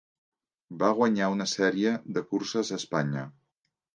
Va guanyar una sèrie de curses a Espanya: